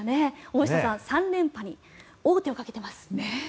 大下さん、３連覇に王手をかけています。